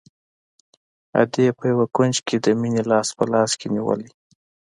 ادې په يوه کونج کښې د مينې لاس په لاس کښې نيولى.